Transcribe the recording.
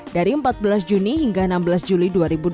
dari empat belas juni hingga enam belas juli dua ribu dua puluh